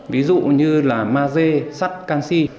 ví dụ như maze sắt canxi